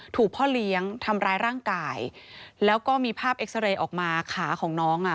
ถูกพ่อเลี้ยงทำร้ายร่างกายแล้วก็มีภาพเอ็กซาเรย์ออกมาขาของน้องอ่ะ